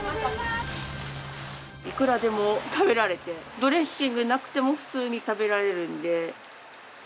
いくらでも食べられてドレッシングなくても普通に食べられるんで。